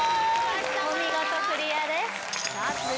お見事クリアです・